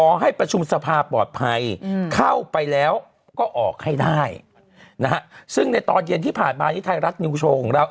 ให้ประชุมสภาปลอดภัยเข้าไปแล้วก็ออกให้ได้นะฮะซึ่งในตอนเย็นที่ผ่านมานี้ไทยรัฐนิวโชว์ของเรา